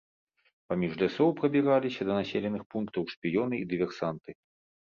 Паміж лясоў прабіраліся да населеных пунктаў шпіёны і дыверсанты.